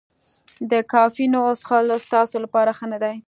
د کافینو څښل ستاسو لپاره ښه نه دي.